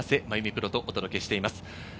プロとお届けしています。